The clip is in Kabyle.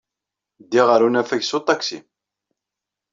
Ddiɣ ɣer unafag s uṭaksi.